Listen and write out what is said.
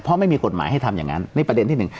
เพราะไม่มีกฎหมายให้ทำอย่างนั้นนี่ประเด็นที่หนึ่ง